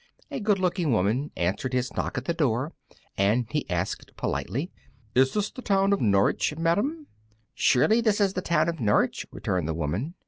A good looking woman answered his knock at the door, and he asked politely, "Is this the town of Norwich, madam?" "Surely this is the town of Norwich," returned the woman.